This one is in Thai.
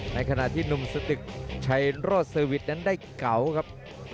ในขณะที่หนุ่มสตึกชัยโรดเซอร์วิทย์นั้นได้เก๋าครับ